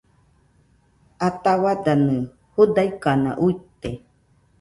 Ataua danɨ judaɨkana uite